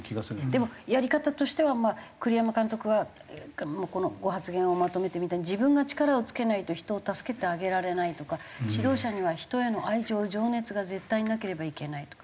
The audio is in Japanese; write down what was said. でもやり方としては栗山監督はこのご発言をまとめてみた「自分が力をつけないと人を助けてあげられない」とか「指導者には人への愛情情熱が絶対になければいけない」とか。